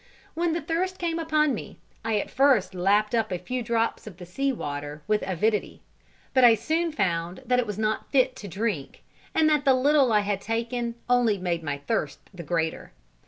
When the thirst came upon me, I at first lapped up a few drops of the sea water with avidity, but I soon found that it was not fit to drink, and that the little I had taken only made my thirst the greater.